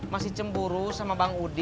masih cemburu sama bang udi